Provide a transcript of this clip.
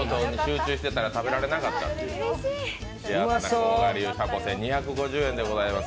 甲賀流たこせん２５０円でございます。